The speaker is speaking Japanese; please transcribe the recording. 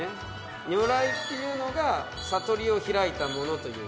如来っていうのが悟りを開いた者という。